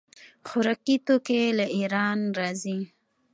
خوراکي توکي له ایران راځي.